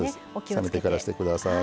冷めてからしてください。